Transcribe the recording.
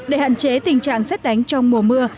để hạn chế tình trạng xét đánh trong mùa mưa